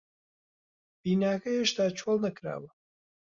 بیناکە هێشتا چۆڵ نەکراوە.